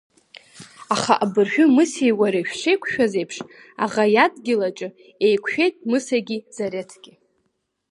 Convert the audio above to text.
Аха абыржәы Мысеи уареи шәшеиқәшәаз еиԥш, аӷа иадгьыл аҿы еиқәшәеит Мысагьы Зареҭгьы.